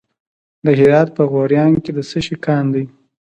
د هرات په غوریان کې د څه شي کان دی؟